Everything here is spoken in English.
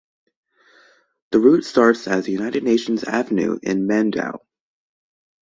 The route starts as United Nations Avenue in Mandaue.